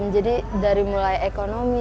jadi dari mulai ekonomi